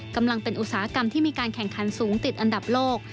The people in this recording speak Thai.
กำลังเป็นอุตสาหกรรมที่มีการแข่งขันสูงติดอันดับโลก